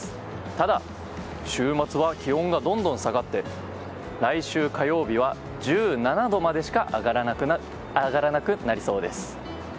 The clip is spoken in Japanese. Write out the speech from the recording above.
ただ、週末は気温がどんどん下がって来週火曜日は１７度までしか上がらなくなりそうです。